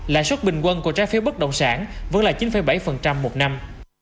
lãi suất bình quân của trái phiếu bất động sản vẫn là chín bảy một năm